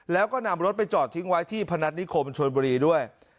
แล้วก็นำรถไปจอดทิ้งไว้ที่พนัฐนิคมชนบุรีด้วย